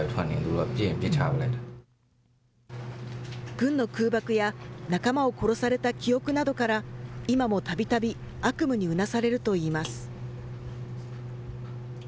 軍の空爆や仲間を殺された記憶などから、今もたびたび悪夢にうなされるといいます。